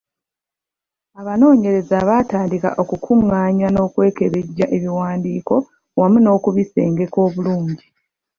Abanoonyereza baatandika okukungaanya n’okwekebejja ebiwandiiko wamu n’okubisengeka obulungi.